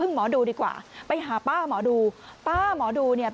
สองสามีภรรยาคู่นี้มีอาชีพ